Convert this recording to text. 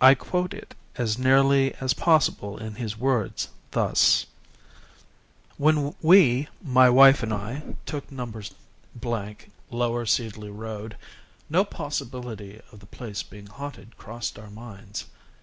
I quote it as nearly as possible in his words, thus: "When we my wife and I took No. Lower Seedley Road, no possibility of the place being haunted crossed our minds.